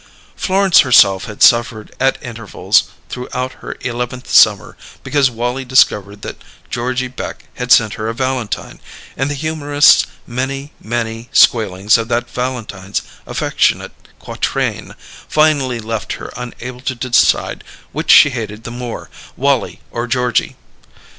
Florence herself had suffered at intervals throughout her eleventh summer because Wallie discovered that Georgie Beck had sent her a valentine; and the humorist's many, many squealings of that valentine's affectionate quatrain finally left her unable to decide which she hated the more, Wallie or Georgie.